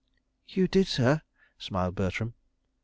"You did, sir," smiled Bertram.